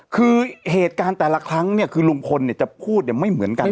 คือเหตุการณ์แต่ละครั้งเนี่ยคือลุงพลจะพูดไม่เหมือนกัน